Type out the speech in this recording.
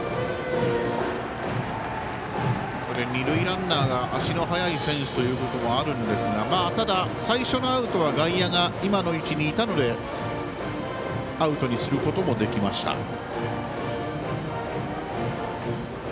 二塁ランナーが足の速い選手ということもあるんですがただ、最初のアウトは外野が今の位置にいたのでアウトにすることもできました。